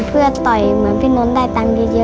เพื่อต่อยเหมือนพี่นนท์ได้ตังค์เยอะ